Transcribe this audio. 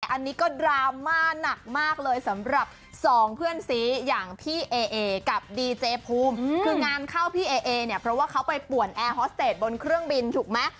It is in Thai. อันนี้ก็ดราม่าหนักมากเลยสำหรับสองเพื่อนสีอย่างพี่เอเอกับดีเจภูมิคืองานเข้าพี่เอเนี่ยเพราะว่าเขาไปป่วนแอร์ฮอสเตจบนเครื่องบินถูกไหม